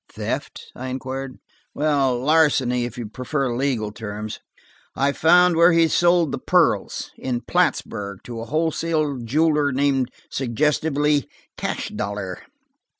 "Theft?" I inquired. "Well, larceny, if you prefer legal terms. I found where he sold the pearls–in Plattsburg, to a wholesale jeweler named, suggestively, Cashdollar."